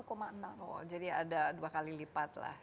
oh jadi ada dua kali lipat lah